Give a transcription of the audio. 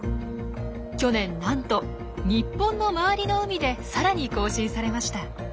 去年なんと日本の周りの海でさらに更新されました。